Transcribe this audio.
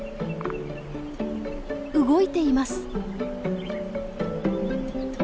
動いています。